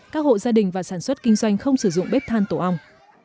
các hộ gia đình và sản xuất kinh doanh không sử dụng bếp than tổ ong